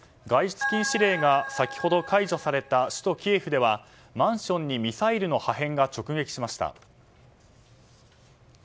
外出禁止令が先ほど解除された首都キエフではマンションにミサイルの破片が直撃しました。